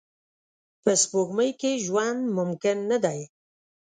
په سپوږمۍ کې ژوند ممکن نه دی